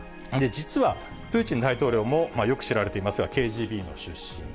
実は、プーチン大統領も、よく知られていますが、ＫＧＢの出身。